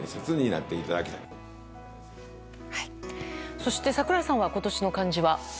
そして櫻井さんは今年の漢字は？